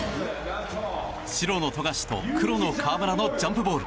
白の富樫と黒の河村のジャンプボール。